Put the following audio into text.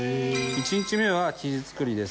１日目は生地作りです。